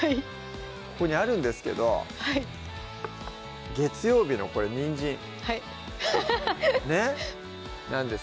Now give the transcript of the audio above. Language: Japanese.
ここにあるんですけど月曜日のこれにんじんはいで